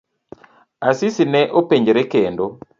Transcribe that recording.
Asisi ne openjore kendo.